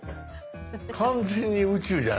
完全に宇宙じゃないですか。